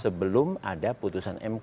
sebelum ada putusan mk